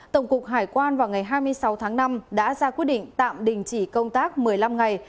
tổng cục hải quan vào ngày hai mươi sáu tháng năm đã ra quyết định tạm đình chỉ công tác một mươi năm ngày